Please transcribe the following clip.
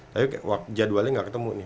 tapi jadwalnya nggak ketemu nih